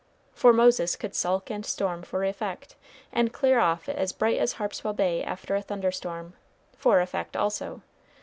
For Moses could sulk and storm for effect, and clear off as bright as Harpswell Bay after a thunder storm for effect also.